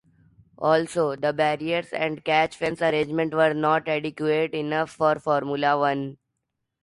Also, the barriers and catch-fence arrangements were not adequate enough for Formula One.